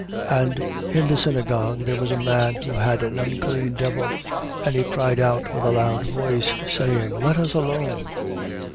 4:33. And in the synagogue there was a man who had an unclean devil: and he cried out with a loud voice, 4:34. Saying: Let us alone.